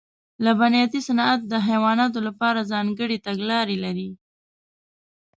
لبنیاتي صنعت د حیواناتو لپاره ځانګړې تګلارې لري.